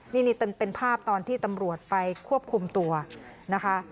นี่เป็นภาพตอนที่ตำรวจไปควบคุมตัวนะคะ